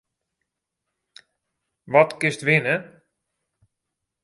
Wat kinst winne?